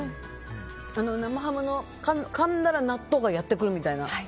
生ハムをかんだら納豆がやってくるみたいな。